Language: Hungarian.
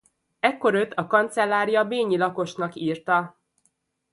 Ekkor őt a kancellária bényi lakosnak írta.